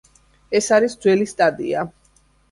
ეს არის ძველი სტადია.